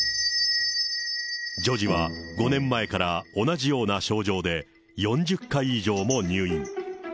女児は５年前から同じような症状で４０回以上も入院。